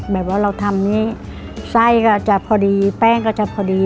แบบว่าเราทำนี่ไส้ก็จะพอดีแป้งก็จะพอดี